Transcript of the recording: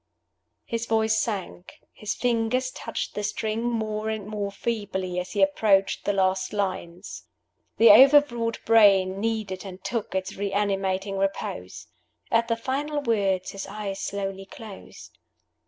His voice sank, his fingers touched the strings more and more feebly as he approached the last lines. The overwrought brain needed and took its reanimating repose. At the final words his eyes slowly closed.